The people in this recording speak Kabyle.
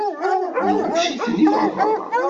Nɣucc-iten i meṛṛa.